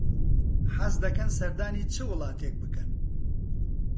حەز دەکەن سەردانی چ وڵاتێک بکەن؟